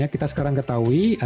kita sekarang ketahui